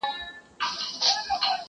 له خوږو او له ترخو نه دي جارېږم،